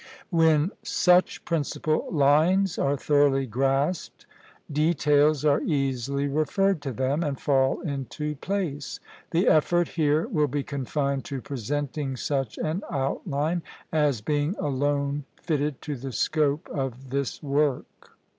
When such principal lines are thoroughly grasped, details are easily referred to them, and fall into place. The effort here will be confined to presenting such an outline, as being alone fitted to the scope of this work.